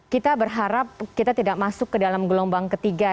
kita berharap kita tidak masuk ke dalam gelombang ketiga